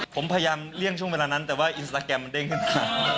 ผมพยายามเลี่ยงช่วงเวลานั้นแต่ว่าอินสตาแกรมมันเด้งขึ้นมา